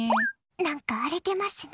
何か荒れてますね。